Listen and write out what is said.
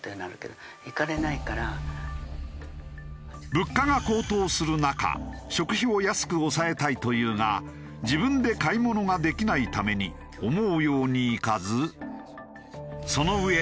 物価が高騰する中食費を安く抑えたいというが自分で買い物ができないために思うようにいかずそのうえ